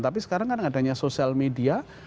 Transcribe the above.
tapi sekarang kan adanya sosial media